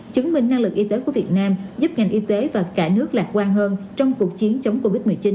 chứng minh năng lực y tế của việt nam giúp ngành y tế và cả nước lạc quan hơn trong cuộc chiến chống covid một mươi chín